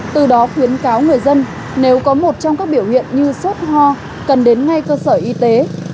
từ đó khuyến cáo người dân nếu có một trong các biểu hiện như sốt ho cần đến ngay cơ sở y tế